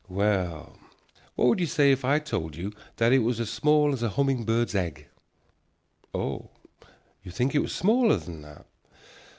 "Well, what would you say if I told you that it was as small as a humming bird's egg? Oh, you think it was smaller than that?